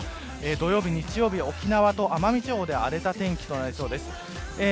土曜日、日曜日、沖縄と奄美地方で荒れた天気となりそうです。